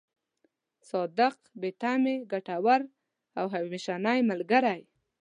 صادق، بې تمې، ګټور او همېشنۍ ملګری.